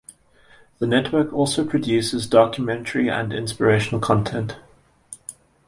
The network also produces documentary and inspirational content.